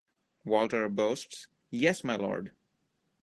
Walter boasts: Yes, my lord!